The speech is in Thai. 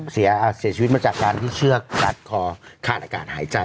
เสียชีวิตมาจากการที่เชือกกัดคอขาดอากาศหายใจ